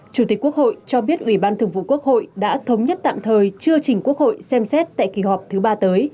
chủ tịch quốc hội cho biết ủy ban thường vụ quốc hội đã thống nhất tạm thời chưa chỉnh quốc hội xem xét tại kỳ họp thứ ba tới